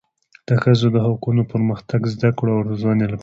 د ښځو د حقوقو، پرمختګ، زده کړو او روزنې لپاره